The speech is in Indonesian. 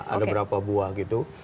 ada beberapa buah gitu